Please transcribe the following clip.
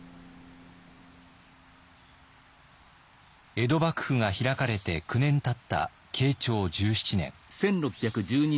江戸幕府が開かれて９年たった慶長１７年。